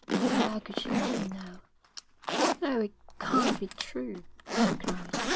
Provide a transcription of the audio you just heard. And how could she love him now? 'Oh, it can't be true,' she cried.